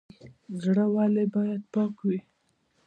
زړه ولې باید پاک وي؟